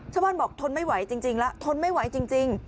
ชาวบ้านบอกทนไม่ไหวจริงแล้วทนไม่ไหวจริง